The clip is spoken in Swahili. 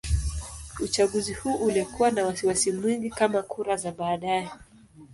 Uchaguzi huu ulikuwa na wasiwasi mwingi kama kura za baadaye.